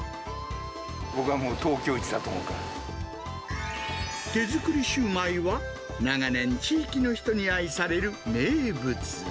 僕はもう、手作りシューマイは、長年、地域の人に愛される名物。